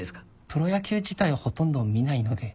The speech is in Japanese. プロ野球自体をほとんど見ないので。